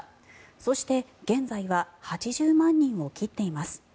そして、現在は８０万人を切っています。